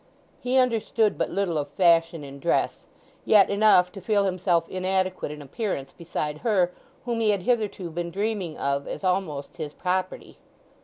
He understood but little of fashion in dress, yet enough to feel himself inadequate in appearance beside her whom he had hitherto been dreaming of as almost his property.